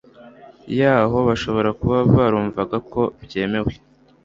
yaho bashobora kuba barumvaga ko byemewe